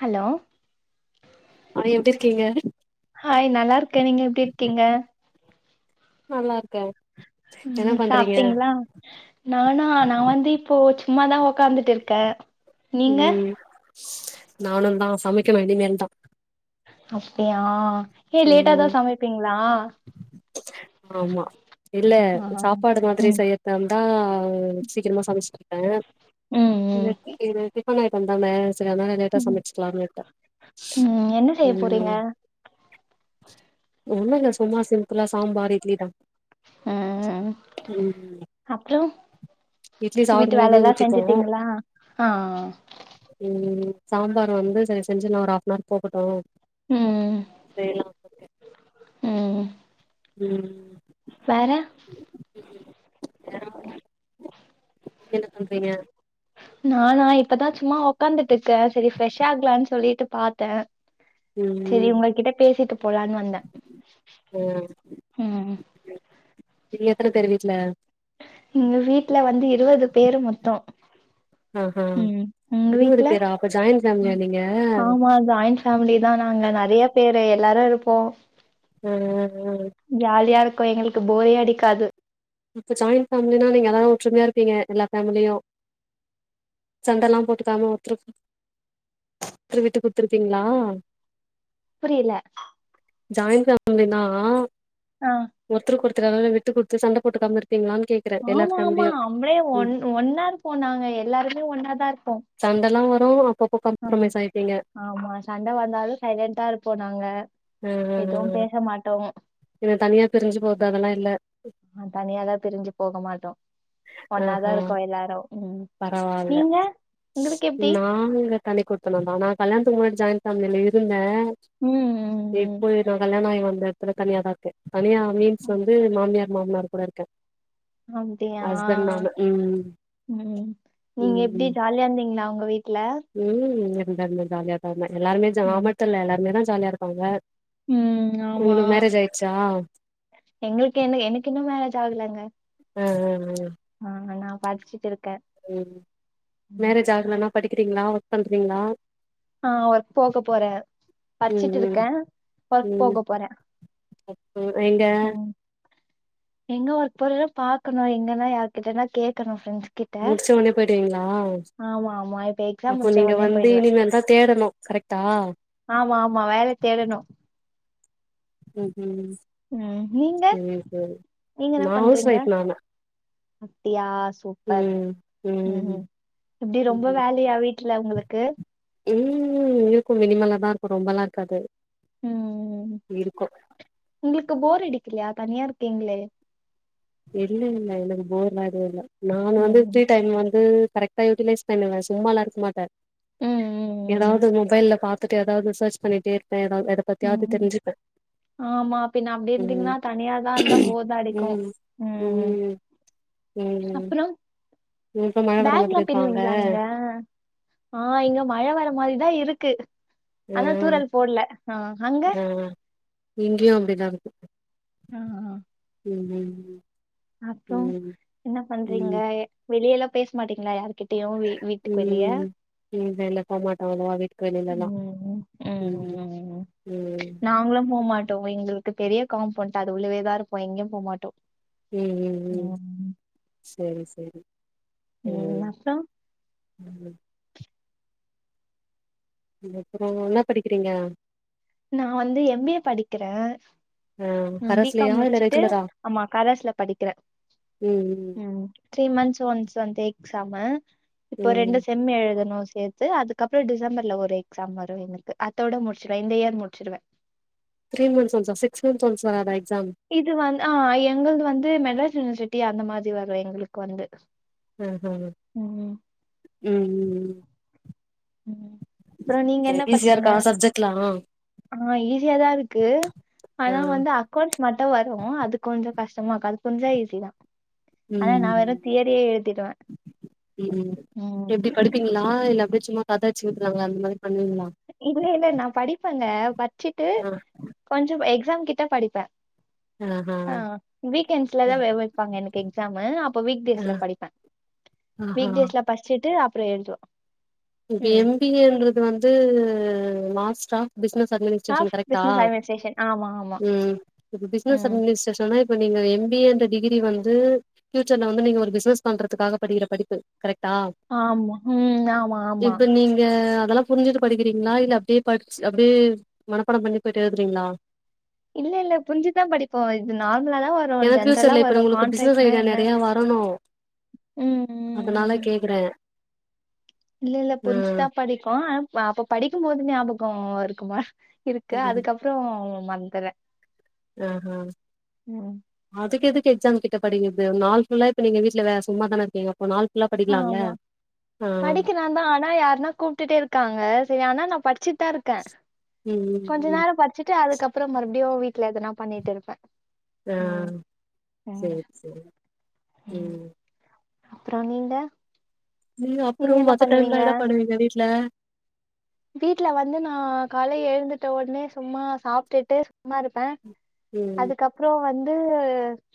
hello ஆ எப்டி இருக்கீங்க ஹாய் நல்லா இருக்கன் நீங்க எப்டி இருக்கீங்க நல்லாரு ம் சாப்ட்டீங்களா நானா நான் வந்து இப்போ சும்மாதான் உக்காந்துட்டு இருக்கன் ம் நானு தான் சமைக்கனு இனிமேல் தான் அப்டியா ஏன் லேட்டா ம் தான் சமைப்பீங்களா ஆமா இல்ல ஆ சாப்பாடு மாதிரி ம் செய்ய தந்தா சீக்கரமா சமச்சு குடுப்பன் ம் ம் இன்னைக்கு இததே தூங்குற டைம் தான செர் அதனால லேட்டா ம் சமைச்சுக்கலாம்னு விட்டேன் ம், என்ன செய்ய போறீங்க ம் ஒண்ணுல சும்மா சிம்பிளா சாம்பார் இட்லி தா ம் ம் அப்றோ இட்லி வீட்டு சாப்பிடும்மோது வேலல்லா ஊத்திப்போம் செஞ்சுட்டீங்களா ஆ ம் சாம்பார் வந்து செரி செஞ்சுலா ஒரு ஆஃப்னார் போகட்டு ம் செய்லா ம் ம் வேற [inaudible] நீங்க என்ன பன்றீங்க நானா இப்பதா சும்மா உக்காந்துட்ருக்க சேரி ஃப்ரெஷ் ஆகலான் சொல்லிட்டு பாத்த செரி ம் உங்க கிட்ட பேசிட்டு போலான் வந்த ஆ ம் இது எத்தன பேரு வீட்ல எங்க வீட்ல வந்து இருவது பேரு மொத்தோ ஆஹா ம் உங்க இருவது வீட்ல பேரா அப்ப ஜாயிண்ட் ஆ ஃபேமிலியா நீங்க ஆமா ஜாய்ண் ஃபேமலி தா நாங்க நறைய பேரு எல்லாரு இருப்போ அ அ அ ஜாலியா இருக்கு எங்களுக்கு போரே அடிக்காது இப்ப ஜாயின்ட் ஃபேமிலினா நீங்க அதா ஒற்றுமையா இருப்பீங்க எல்லா பேமிலியு சண்டெல்லா போட்டுக்காம ஒத்துருக்கு த்துரு விட்டு குத்துருப்பீங்ளா புரியல ஜாய்ண்ட் ஃபேமிலினா ஆ ஒத்தருக் ஒருத்தரு அதாவது விட்டு குடுத்து சண்ட போட்டுக்காம இருப்பீங்களான் கே ஆமா ஆமா நம்பளே ஒன் ஒன்னார் போனாங்க எல்லாருமே ஒன்னாதா இருப்போ சண்டல்லா வரு அப்பப்போ ஆ காம்ப்ரமைஸ் ஆய்ப்பீங்க ஆமா சண்ட வந்தாலு சைலண்டடா இருப்போ நாங்க எதுவு பேச மாட்டோ என்ன தனியா பிரிஞ்சு போறது அதெல்லா இல்ல ஆ தனியாதா பிரிஞ்சு போக மாட்டோ ஒண்ணாதா ஆஹா இருக்கோ எல்லாரு ம் பரவால்ல நீங்க உங்களுக்கு எப்டி நா நாங்க இங்க தனி குடுத்தனோ தா நா கல்யாணத்துகு முன்னாடி ஜாய்ன் பேமிலில இருந்த ம் [inaudible] ம் இப்பய நா கல்யாணோ ஆயி வந்த இப்ப நா தனியா தா இருக்க தனியா மீன்ஸ் ம் வந்து மாமியார் மாமனார் கூட இருக்க அப்டியா ம் ம் நீங்க எப்டி ம் ஜாலியா இருந்தீங்ளா உங்க வீட்ல ம் இருந்த இருந்த ஜாலியா தா இருந்த எல்லாருமே ம் கிராமத்துல எல்லாருமே தா ஜாலியா இருப்பாங்க ம் ஆமா உங்ளுக்கு மேரேஜ் ஆய்டுச்சா எங்களுக்கு என்ன எனக்கு இன்னு மேரேஜ் ஆகலங்க அ அ அ ஆ நா படிச்சுட்டு இருக்க ம் மேரேஜ் ஆகலன்னா படிக்கிறீங்ளா ஒர்க் பண்றீங்ளா ஆ ஒர்க் போக போற ம் படிச்சிட்டு ம் இருக்க ஒர்க் ம் போக போற ம் எங்க எங்க ஒர்க் போறன்ன பாக்கணு எங்கனா யாருகிட்டனா கேக்கணு ஃப்ரென்ஸ் கிட் முடிச்சோனே போயிடுவீங்ளா ஆமா இப்ப எக்ஸாம் அப்போ முடிச்ச நீங்க ஒடனே வந்து போயிடுவே இனிமேல் தா தேடனு கரெக்டா ஆமா ஆமா வேல தேடணு ம்ஹிம் ம் ம் நீங்க சேரி சேரி நீங்க என்ன நா ஹவுஸ் பண்றீங்க வோய்ஃப் நானு அப்டியா சூப்பர் ம் ம் எப்டி ரொம்ப வேலயா வீட் ட்டுலா உங்குளுக்கு உம்ம் இருக்கு மினிமல தாருக்கு ரொம்பல்லா இருக்காது ம் இருக்கு உங்களுக்கு போர் அடிக்கலயா தனியா இருக்கீங்ளே இல்ல இல்ல என்னக்கு போர்லா எதுவு இல்ல நான் வந்து ஃபிரீ ம் டைம்லந்து கரெக் ட்டா யூட்டிலைஸ் பெண்ணுவ சும்மால்லா இருக்கமாட்ட ம் ம் எதாவ்து மொபைல்ல பாத்துட்டு எதாவ்து சர்ச் பண்ணிட்டே இர்ப்பே எதாவ்து எதப் ம் பத்தியாது ம் தெரிஞ்சுப்ப ஆமா பின்ன அப்படி இருந்தீங்கன்னா ம் தனியா தான் இருந்தா போர் தான் அடிக்கும் ம் ம் ம் அப்பற இப்ப மழ வர மாதிரி பேக்ல்லா இருக்கா அங்க பிண்ணுவீங்ளா நீங்க ஆ இங்க மழை வர மாரிதா இருக்கு ஆ ஆனா தூறல் போட்ல ஆ அங்க இங்கியு அப்டிதாருக்கு அ அ ம் ம் ம் அப்ற என்னப் பண்றீங்க ம் வெளியெல்லா பேஸ் மாட்டிங்களா யார்கிட் டியு வீட்டுக் வெளிய ம் இல்ல இல்ல போமாட்டோம் அவ்ளவா வீட்டுக்கு வெளிலலாம் உம் ம் ம் உம் ம் நாங்ளும் போமாட்டோ எங்களுக்கு பெரிய காம்பொண்ட் அது உள்ளவேதாருப்பொ எங்கியும் போமாட்டோ ம் ம் ம் செரி செரி ம் ம் ம் அப்பற என்னா படிக்கிறீங்க நா வந்து எம் பி ஏ படிக்கிற ஆ நா பி காம் கரஸ்லயா இல்ல முடிச்சுட்டு ரெகுலரா ஆம்மா கரஸ்ல படிக்கிற ம் ம் த்ரீ மந்த்ஸ் ஒன்ஸ் வந்து எக்ஸாம இப்போ ம் ரெண்டு செம் எழுதணு சேத் து அதுக்கப்ற டிசம்பர்ல ஒரு எக்ஸாம் வரூ என்னக்கு அத்தோட முடிச்சிர இந்த யேர் முடிச்சிருவே த்ரீ மந்த்ஸ் ஒன்ஸ் ஆ சிக்ஸ் மன்ந்த் ஒன்ஸ் வராதா எக்சாம் இது வந்து ஆ எங்கள்து வந்து மெட்ராஸ் யூனிவர்சிட்டி அந்த மாதி வரு எங்குளுக்கு வந்து அஹ ம் ம் ம் ம் ம் அப்ற நீங்க சரி என்ன ஈஸியா பட்ச்சீங்க இருக்கா சப்ஜெக்ட்லா ஆ ஆ ஈஸியா தாருக்கு ஆனா ம் வந்து அ க்கோண்ட்ஸ் மட்டு வரூ அது கொஞ்சொ கஷ்டமாக்கு அது புரிஞ்சா ஈஸி தா ஆனா நா வெறு ம் தியரியே எழுதிருவே உம் படிப்பிங்ளா இல்ல அப்டே சும்மா கத அடிச்சு விட்றாங்களே அந்த மாதிரி பண்னுவிங்ளா இல்ல இல்ல நா படிப்பங்க பச்சிட்டு ஆ கொஞ்ச எக்ஸாம் கிட்ட படிப்ப அ அ வீக்கெண்ஸ்லதா வெ வெப்பாங்க என்னக்கு எக்ஸாமு அப்ப வீக்டேஸ்ல படிப்ப அஹ பஸ்ச்சுட்டு அப்புற எழ்துவ இப்ப எம் பி ஏ ன்றது வந்து மாஸ்ட்ரா பிஸ்னஸ் அட்மினிஸ்ட்ரேஷன் ஆஃப் கரெக்டா பிசினஸ் அட்மினிஸ்ட்ரேஷன் ஆமா ஆமா ம் இப்ப பிஸ்னஸ் ம் அட்மினிஸ்ட்ரேஷன்னா ப்ப நீங்க எம் பி ஏ ன்ற அந்த டிகிரி வந்து ஃபியூச்சர்ல வந்து நீங்க ஒரு பிஸ்னஸ் பண்றத்துக்காக படிக்குற படிப்பு கரெக்டா ஆம்மா ஹிம் ஆம்மா இப்ப நீங்க அதெல்லா புரிஞ்சுட்டு படிக்கிறீங்களா இல்ல அப்டியே படிச்சு அப்டியே மனப்பாடம் பண்ணி போய்ட்டு எழுதுறீங்களா இல்ல இல்ல புரிஞ்சுதா படிப்போ இது நார்மலா தா வரு ஏன்னா ஜென்ரலா ஃபியூச்சர்ல இப்ப வரு உங்களுக்கு பிசினஸ் கான்ட்ராக்ட்னா ஐடியா என்ன நெறைய வரணு ம் ம் அதனால ம் கேட் கிறே இல்ல இல்ல புரிஞ்சுதா படிக்கோ ஆனா அப் அப்ப படிக்கும் போது ஞாபகோ இருக்குமா இருக்கு ம் அதுக்கப்றோ மறந்திர்ரே அ ஹா அதுக்கு எதுக்கு எக்ஸாம் கிட்ட படிக்றது நாள் ஃபுல்லா இப்ப நீங்க வீட்ல வேற சும்மாதான இருக்கீங்க இப்போ நாள் ஃபுல்லா படிக்கலால்ல அ ந்தா ஆனா யாருன்னா கூப்ட்டுட்டே இருக்காங்க சரி ஆனா நா படிச்சுட் தா இருக்கே ம் ம் கொஞ்ச ம் நேரோ படிச்சுட்டு அதுக்கப்றோ மறுபடியு வீட்ல எதனா பண்ணிட்டு இருப்பே ஆ சேரி சேரி ம் அப்றோ நீங்க நீங்க அப்றோ என்ன மத்த டைம்ல பண்ணுவீங்க என்ன பண்ணுவீங்க வீட்ல வீட்ல வந்து நா காலை எழுந்துட்ட உட்னே சும்மா சாப்ட்டுட்டு சும்மா இருப்பே ம் அதுக்கப்றோ வந்து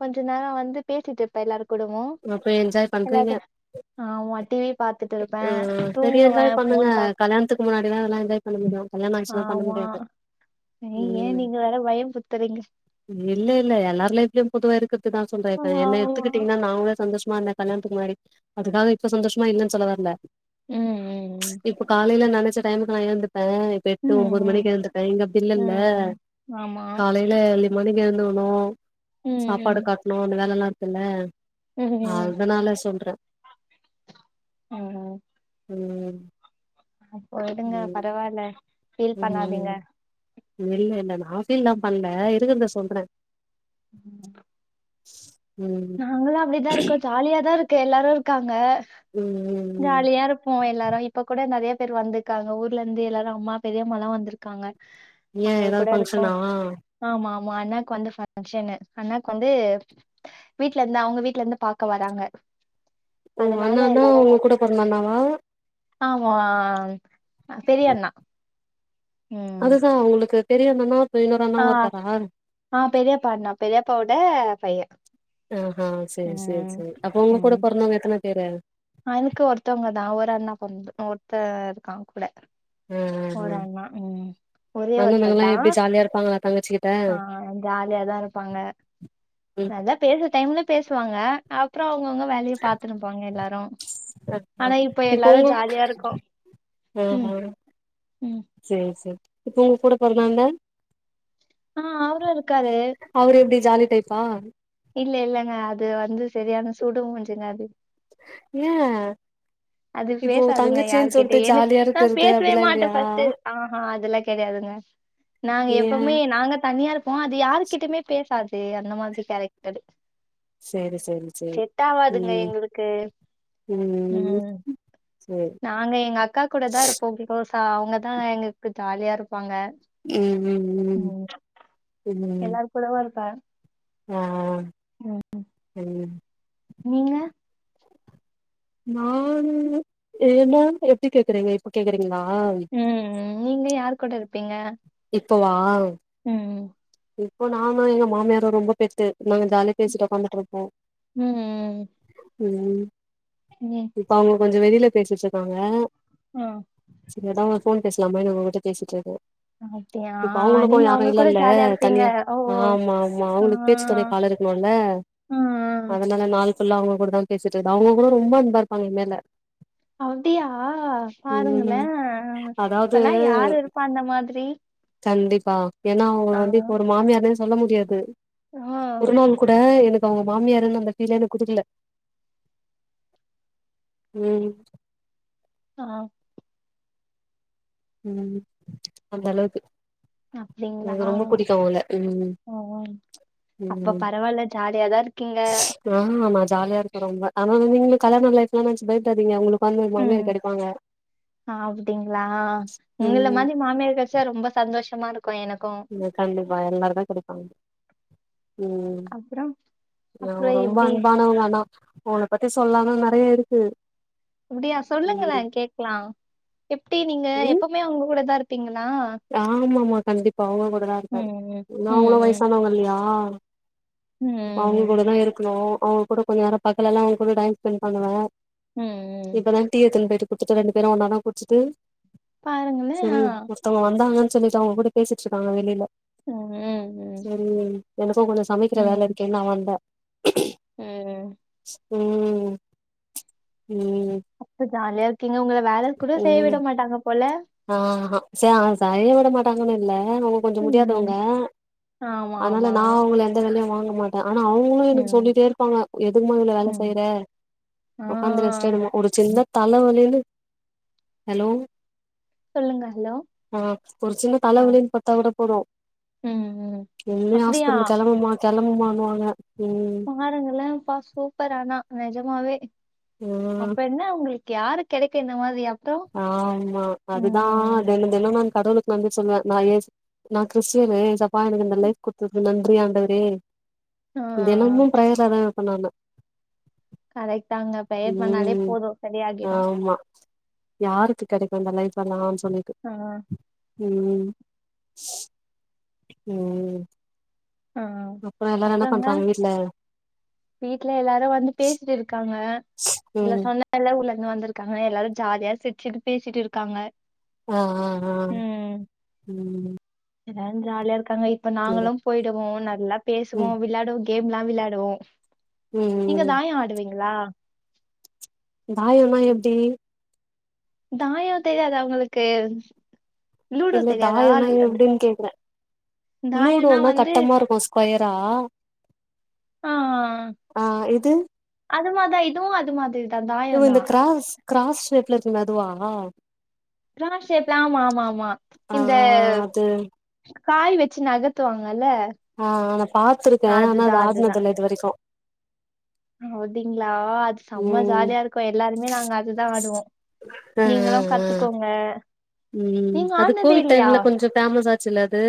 கொஞ்ச நேரோ வந்து பேசிட்டு இருப்பே எல்லார் கூடவு அப்ப என்ஜாய் பண்றீங்க எல்லாரு ஆமா டிவி பாத்துட்டு இருப்பே தூங்குவே போன் பாப் துக்கு முன்னாடி தா இதெல்லா என்ஜாய் பண்ண முடியு கல்யாணோ ஆயிடுச்சனா பண்ண ஆமா முடியாது ஏய், ஏன் ம் நீங்க வேற பயம் புத்துறீங்க இல்ல இல்ல எல்லார் லைஃப்லயு பொதுவா இருக்கிறதுதா சொல்றே இப்ப ஆமா என்ன ஆமா எடுத்துக்கிட்டீங்கன்னா நாங்க சந்தோஷமா இருந்தே கல்யாணத்துக்கு முன்னாடி அதுக்காக இப்ப சந்தோஷமா இல்லன்னு சொல்ல வரல ம் ம் இப்ப காலைல நெனைச்ச டைமுக்கு நா எந்துப்பே எட்டு ம் ம் ஒன்பது ம் மணிக்கு எழுந்துப்பே இங்க அப்பி இல்லல்ல ம் ஆமா காலை இல்ல இயர்லி மானிங் எழுந்துகணு சாப்பாடு ம் கட்ணு அந்த வேல எல்லா இருக்குல்ல ம் ம் அதனால சொல்றே ம் ம் ம் இப்போ விடுங்க ம் பரவால்ல பீல் பண்ணாதீங்க ம் இல்ல இல்ல நா ஃபீல்லா பண்ல இருக்குறத சொல்றே உம் ம் நாங்களு அப்டிதா இருக்கோ ஜாலியா தா இருக்கு எல்லாரு இருக்காங்க ம் ம் ம் ஜாலியா இருப்போ எல்லாரு இப்ப கூட நெறைய பேர் வந்து காங்க ஊர்ல இருந்து எல்லாரு அம்மா பெரியம்மாலா வந்திருக்காங்க ஏ அவங்க ஏதாவது கூட ருக்கோ ஃபங்க்ஷனா ஆமா ஆமா அண்ணாக்கு வந்து பங்க்ஷனு அண்ணாக்கு வந்து வீட்ல இருந்து அவுங்க வீட்ல இருந்து பாக்க வராங்க ஓ அதனால அண்ணானா எல்லா உங்க கூட பொறந்த அண்ணாவா ஆமா பெரியண்ணா அதுதா அவுங்களுக்கு பெரியண்ணன்னா ஆ ஆ பெரியப்பாண்ணா பெரியப்பாவோட பைய ஆஹா செரி செரி ம் செரி அப்ப உங்க கூட ம் பொறந்தவங்க எத்தன பேரு எனக்கு ஒருத்தவங்க தா ஒரு அண்ணா பொறந் ஒருத்த இருக்கா கூட அ அ ஒரு அண்ணா ம் ஒரே அ ஒருத்தர் அண்ணன்ங்கல்லா தா எப்டி ஜாலியா இருப்பாங்களா தங்கச்சி கிட்ட ஆ ஜாலியாதா இருப்பாங்க ம் நல்லா பேச டைம்ல பேசுவாங்க அப்றோ அவ்ங்கவுங்க வேலய பாத்துனுப்பாங்க எல்லாரு ஹஹ ஆனா இப்ப இப்போ எல்லாரு உங்கு ஜாலியா இருக்கோ ம் அஹ ம் ச்சே செ இப்பு உங்க கூட பொறுந்தான்ன ஆ அவ்ரு இருக்காரு அவரு எப்டி ஜாலி டைப்பா இல்ல இல்லங்க அது வந்து சரியான சுடு முஞ்சிங்க அது ஏ அது இப்போ பேசாதுங்க யார் தங்கச்சின்னு கிட்டே சொல்ட்டு எனுக் ஜாலியா நா இருக்கறது பேசவே அப்டிலா மாட்டே இல்லையா ஃபஸ்ட்டு ஆஹா அதெல்லா கெட்யாதுங்க நாங்க ஏ எப்பொமே நாங்க தனியார் போ அது யார்கிட்டுமே பேசாது அந்த மாதிரி கேரக்டரு சேரி சேரி சேரி செட் ஆவாதுங்க ம் எங்களுக்கு உம் சே நாங்க எங்க அக்கா கூடதா இருப்போ உங்லு கோஸா அவ்ங்கதா எங்குக்கு ஜாலியா இருப்பாங்க ம் ம் ம் ம் கூடவா இர்க்க அஅஅ செய்யுன் நீங்க நானு ஏனா எப்டி கேக்குறீங்க இப்பு கேக்குறீங்ளா ம் ம் நீங்க யார் கூட இர்ப்பீங்க இப்பு வாவ் ம்ம் இப்போ நானு எங்க மாமியாரு ரொம்ப பெட்டு நாங்க ஜாலியா பேசிட்டு ஒக்காந்துட்ருப்போ ம் ம் இன்யன் இப்ப அவங்க கொஞ்சோ வெளில பேசிட்ருக்காங்க ஆ செரி அடா ஃபோன் பேஸ்லாமே உஉட்ட பேசிட்ருக்கு அப்டியா இப்பு அவ்ங்ளுக்கு நீங்க யாரு அவங்க கூட இல்லல்ல ஜாலியா இருப்பீங்க தனியா ஓ ஆமாமா ஆ அவ்ங்க பேச்சி தொனைக் ஆள் இருக்னுல ஆ அதுக் அந நாள்க்குள்ள அவ்ங்க கூடு தான் பேசிட்ருந்த அவ்ங்கவ் கூட ரொம்பா அன்பா இருப்பாங்க எங் மேல அவ்ல்தியா பாருங்குளே ம் அதாவது இப்பல்லா யாரு இருப்பா அந்த மாதிரி கண்டிப்பா ஏன்னா அவ்ங்கொ ஆ வந்து இப்பு ஒரு மாமியார் னு சொல்ல முடியாது ஆ ஒரு நாள் கூட எனக் ப உங்க மாமியருன்னு அந்த ஃபீலே எனக் குடுக்கல ம் அஆ ம்ம்ம் அந்த அளவுக்கு எங்க ரொம்ப புடிக்கு அவ்ல ஒஓன் அப்ப பரவால்ல ஜாலியாதார்க்கீங்க ஹா ஆமா ஜாலியா இருக்கு ரொம்ப ஆனா நீங் நீங்ளு கல்யாண லைஃப்லா நென்ச்சி பய்ப்டாதீங்க உங்களு பந்தல் மாமியார் கெடைப்பாங்க ஆ அப்புடிங்ளா உங்கள ம் மாதி மாமியார் கெட்ச்சா ரொம்ப சந்தோஷமா ருக்கு எனக்கு இல கண்டிப்பா எல்லார்க்கெ குடுப்பாங்க ம்ம் அப்றோ நவ் அப்றோ ரொம்ப எப்டி அன்பானவங் ஆனா வோன பத்தி சொல்லானு நறைய இருக்கு அப்புடியா ம் சொல்லுங்களே கேக்லா எப்டி நீங்க எப்பவ்மே உங்க கூட தா இருப்பீங்களா ஆமாம்மா கண்டிப்பா அவுங்க கூடதா இருக்காரு ம் ஏனா ம் அவுங்களு ம் வயசானவங்க இல்லியா ம் இப்ப அவுங்க ம் கூட தா இருக்கணு அவுங்க கூட கொஞ்ச நேரோ பகலெல்லா அவுங்க கூட டைம் ஸ்பெண்ட் பண்ணுவே ம் ம் இப்பதா டீ எடுத்துன்னு பொயிட்டு குடுத்துட்டு ரெண்டு பேரு ஒன்னா தா குட்ச்சுட்டு பாருங்களே செரி ஆ ஒருத்தவுங்க வந்தாங்கன் சொல்லிட்டு அவுங்க கூட பேசிட்ருக்காங்க வெளில ம் ம் ம் செரி எனக்கு கொஞ்ச சமைக்கிற வேல ம் இருக்கேன்னு நா வந்தே ம் ம் ம் அப்ப ஜாலியா இருக்கீங்க உங்கள வேல கூட செய்ய விட மாட்டாங்க போல ஆ ஹா சே அவுங்க சரி வர மாட்டாங்கன்னு இல்ல ஆ கொஞ்ச ம் முடியாதவங்க ஆமா அதுனால ஆமா நா அவுங்கல எந்த வேலையு வாங்க மாட் ஆனா அவுங்களு எனக்கு ம் சொல்லிட்டே இருக் இருப்பாங்க எதுக்குமா இவ்ளோ வேல ம் செய்ற ஆ உக்காந்து ரெஸ்ட் எடும்மா ஒரு சின்ன தலவலின்னு ஹலோ சொல்லுங்க ஹலோ ஆ ஒரு சின்ன ஆ தலவலின்னு படுத்தா கூட போது ம் ம் நீயே அப்டியா ஹாஸ்பிட்டலுக்கு கெளம்புமா கெளம்புமானுவாங்க ம் பாருங்களே அப்பா சூப்பர் ஆனா நெஜமாவே ஆ அப்ப என்ன அவுங்களுக்கு யாருக்கு கெடைக்கு இந்த மாதிரி அப்றோ ஆமா அதுதா தெனோ தெனோ நா அந்த கடவுளுக்கு நன்றி சொல்லுவே நா ஏ நா கிறிஸ்டியனு ஏசப் ப்பா எனக்கு இந்த லைஃப் குடுத்ததுக்கு நன்றி ஆண்டவரே இது ஆஹ் தெனமு ப்ரயர்ல அதா இருப்பே நானு கரெக்ட் தாங்க ப்ரெயர் பண்ணாலே ம் போது சரியாகிடு ஆமா யாருக்கு கெடைக்கு இந்த லைஃப்லா அப்டி சொல்லிட்டு ஆ ம் ம் ஆ ஆ அப்றோ எல்லாரு என்ன அப்றோங்க பண்றாங்க வீட்ல வீட்ல எல்லாரு வந்து பேசிட்ருக்காங்க இல்ல ம் சொன்னே எல்லா ஊர்லருந்து வந்துருக்காங்க எல்லாரு ஜாலியா சிரிச்சுகிட் பேசிட்டு இருக்காங்க ஆ ஆ ஆ ம் ஏ ஜாலியா இருக்காங்க இப்ப சேரி நாங்களு போய்டுவோ நல்லா பேசுவோ ம் விளையாடவு கேம்லா விளாயாடுவோ நீங்க ம் ம் தாயோ ஆடுவீங்ளா தாயோன்னா எப்டி தாயோ தெரியாது உங்களுக்கு லூடோ இல்ல தாயோன்னா தெரியாதா எப்டின்னு கேக்குறே தாயம்னா லூடோனா வந்து கட்டமா இருக்கு கொயரா ஆ ஆ இது அது மார்தா இதுவு அது மாதிரி தா இதுவு இந்த க்ராஸ் க்ராஸ் ஷேப்ல இருக்குமே அதுவா க்ராஸ் ஷேப்லா ஆமா ஆமா ஆமா ஆ இந்த அது காய் வச்சு நகத்துவாங்கல்ல ஆ ஆ நா பாத்துருக்கே ஆனா அதுதா அது ஆட்னதுல்ல இது வரைக்கு அப்டிங்ளா அது செம்ம ம் ஜாலியா இருக்கு எல்லாருமே நாங்க அதுதா ஆடுவோ ஆ ஆ நீங்களு ஆ கத்துக்கோங்க ம் நீங்க அது ஆடுனதே கோவிட் இல்லையா டைம்ல கொஞ்சோ ஃபேமஸ் ஆச் சுல்ல அது